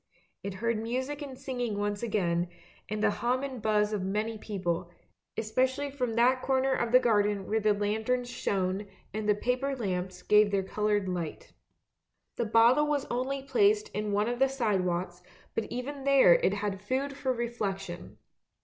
It heard music and singing once again, and the hum and buzz of many people, especially from that corner of the garden where the lanterns shone and the paper lamps gave their coloured light. The bottle was only placed in one of the side walks, but even there it had food for reflection.